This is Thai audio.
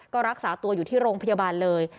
ก็รักษาตัวอยู่ที่โรงพยาบาลเลย